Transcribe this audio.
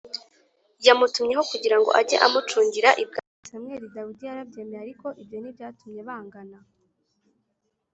Yamutumyeho kugira ngo ajye amucurangira ibwami samweli dawidi yarabyemeye ariko ibyo ntibyatumye bangana